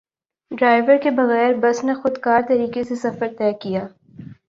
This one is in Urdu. ڈرائیور کے بغیر بس نے خودکار طریقے سے سفر طے کیا